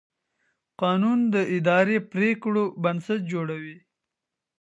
قانون د اداري پرېکړو بنسټ جوړوي.